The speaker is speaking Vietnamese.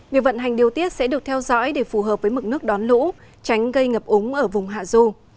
việc vận hành điều tiết sẽ được theo dõi để phù hợp với mực nước đón lũ tránh gây ngập úng ở vùng hạ du